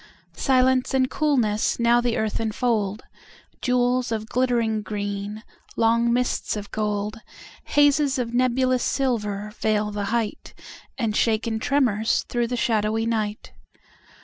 Silence and coolness now the earth enfold, Jewels of glittering green, long mists of gold, Hazes of nebulous silver veil the height, And shake in tremors through the shadowy night.